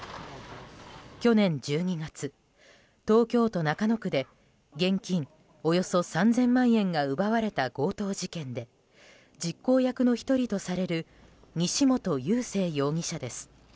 去年１２月、東京都中野区で現金およそ３０００万円が奪われた強盗事件で実行役の１人とされる西本佑聖容疑者です。